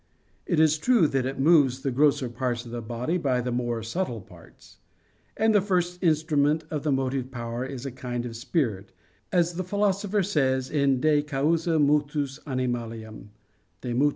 It is true that it moves the grosser parts of the body by the more subtle parts. And the first instrument of the motive power is a kind of spirit, as the Philosopher says in De causa motus animalium (De mot.